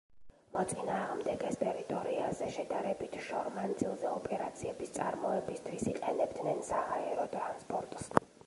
მოწინააღმდეგეს ტერიტორიაზე შედარებით შორ მანძილზე ოპერაციების წარმოებისთვის იყენებდნენ საჰაერო ტრანსპორტს.